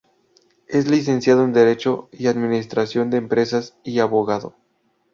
Es Licenciado en Derecho y Administración de Empresas, y abogado.